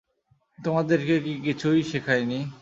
তোমাদেরকে কি কিছুই শিখাইনি?